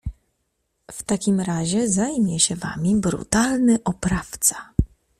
W takim razie zajmie się wami brutalny oprawca.